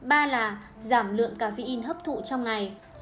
ba là giảm lượng caffeine hấp thụ trong ngày